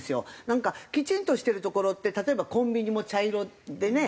なんかきちんとしてる所って例えばコンビニも茶色でね